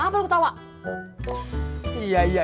kenapa lu ketawa